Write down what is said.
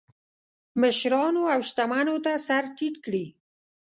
مشرانو او شتمنو ته سر ټیټ کړي.